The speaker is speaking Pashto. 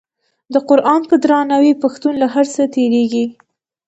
د قران په درناوي پښتون له هر څه تیریږي.